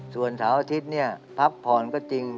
ส่วนเสาร์อาทิตย์เนี่ยพักผ่อนก็จริง